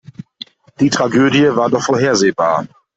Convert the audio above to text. Die Tragödie war doch vorhersehbar.